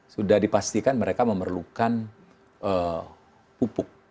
sudah dipastikan mereka memerlukan pupuk